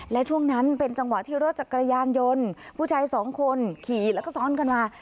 และช่วงนั้นเป็นจังหวะที่รถจักรยานยนต์ผู้ชายสองคนขี่แล้วก็ซ้อนกันมา